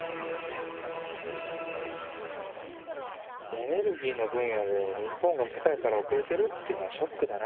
エネルギーの分野で日本が世界からおくれているっていうのはショックだな。